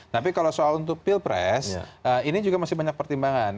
tapi kalau soal untuk pilpres ini juga masih banyak pertimbangan